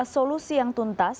solusi yang tuntas